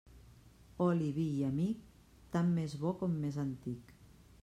Oli, vi i amic, tant més bo com més antic.